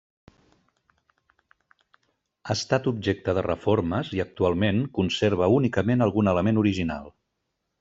Ha estat objecte de reformes i actualment conserva únicament algun element original.